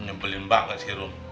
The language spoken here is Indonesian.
ngebelin banget sih rum